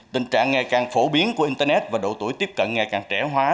tình trạng ngày càng phổ biến của internet và độ tuổi tiếp cận ngày càng trẻ hóa